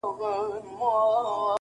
• مرګی ظالم دی ژوند بې باوره -